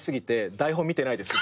台本見てないです」